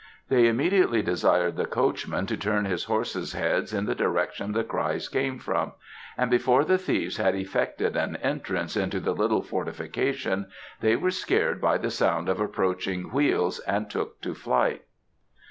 They immediately desired the coachman to turn his horses heads in the direction the cries came from, and before the thieves had effected an entrance into the little fortification, they were scared by the sound of approaching wheels and took to flight."